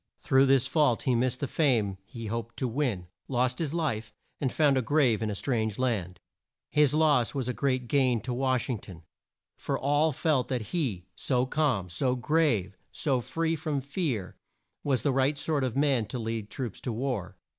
Through this fault he missed the fame he hoped to win, lost his life, and found a grave in a strange land. His loss was a great gain to Wash ing ton, for all felt that he, so calm, so grave, so free from fear, was the right sort of man to lead troops to war.